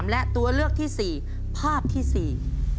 และตัวเลือกที่๔ภาพที่๔